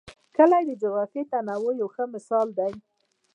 کلي د جغرافیوي تنوع یو ښه مثال دی.